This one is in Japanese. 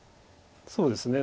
そうですね。